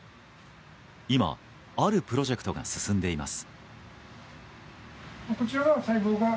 今、あるプロジェクトが進んでいます。